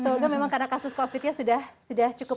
semoga memang karena kasus konfliknya sudah cukup